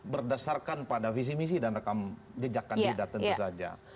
berdasarkan pada visi misi dan rekam jejak kandidat tentu saja